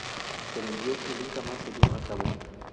Se vendió y nunca más se dio acabo.